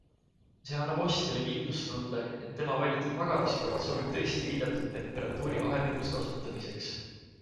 See annab ostjale kindlustunde, et tema valitud magamiskott sobib tõesti viidatud temperatuurivahemikus kasutamiseks.